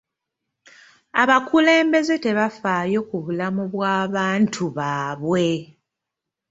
Abakulembeze tebafaayo ku bulamu bw'abantu baabwe.